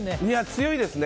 強いですね。